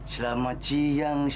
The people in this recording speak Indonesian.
selamat siang pa